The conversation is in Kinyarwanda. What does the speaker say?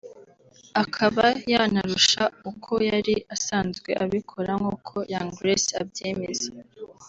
akaba yanarusha uko yari asanzwe abikora nk’uko Young Grace abyemeza